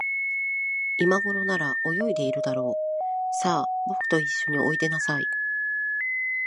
いまごろなら、泳いでいるだろう。さあ、ぼくといっしょにおいでなさい。